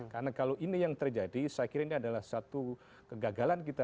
karena kalau ini yang terjadi saya kira ini adalah satu kegagalan kita